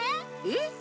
えっ？